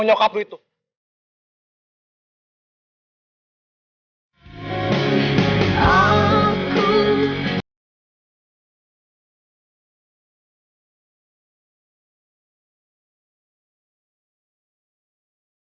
nyokap gua tuh pergi ninggalin gua sama bokap gua